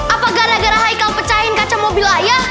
apa gara gara hai pecahin kaca mobil ayah